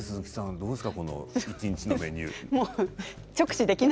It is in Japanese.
どうですか